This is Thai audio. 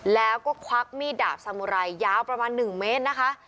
แล้วก็ควักมีดดาบสามุไรยาวประมาณ๑เมตรนะคะ